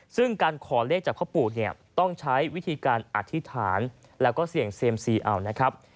ซึ่งการขอเลขจากพ่อปู่เนี่ยต้องใช้วิธีการอธิษฐานแล้วก็เสี่ยงเซียมซีเอานะครับ